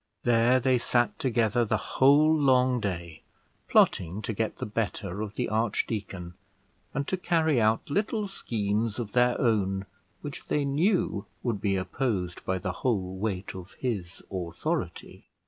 There they sat together the whole long day, plotting to get the better of the archdeacon, and to carry out little schemes of their own, which they knew would be opposed by the whole weight of his authority.